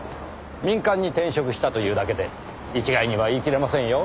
民間に転職したというだけで一概には言い切れませんよ。